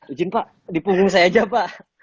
ujin pak di punggung saya saja pak